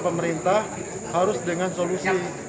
pemerintah harus dengan solusi